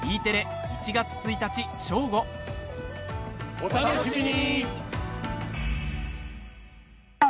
お楽しみに！